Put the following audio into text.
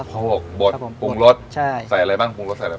ส่วนสะพพกบดปรุงรสใส่อะไรบ้างปรุงรสใส่อะไรบ้าง